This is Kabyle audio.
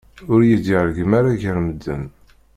Ur yi-d-reggem ara gar medden.